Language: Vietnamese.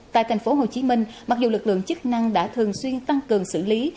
tại tp hcm mặc dù lực lượng chức năng đã thường xuyên tăng cường xử lý